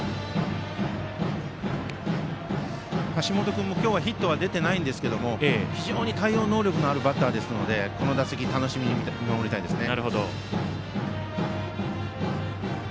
橋本君も今日はヒットは出ていないんですけれど非常に対応能力のあるバッターですのでこの打席、楽しみに見たいですね。